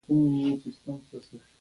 کورنۍ یې سره پاشلې وه.